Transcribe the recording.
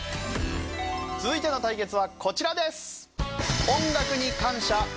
続いての対決はこちらです。